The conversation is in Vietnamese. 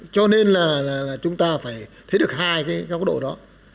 cho nên là chúng ta phải thấy được hai cái góc độ đó